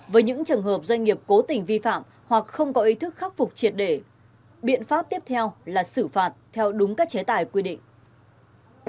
với những trường hợp doanh nghiệp cố tình vi phạm hoặc không có ý thức khắc phục triệt để biện pháp tiếp theo là xử phạt theo đúng các chế tài quy định